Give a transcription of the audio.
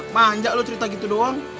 manja loh cerita gitu doang